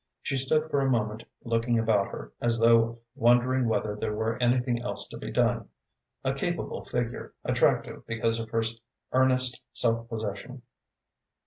She stood for a moment looking about her, as though wondering whether there were anything else to be done, a capable figure, attractive because of her earnest self possession.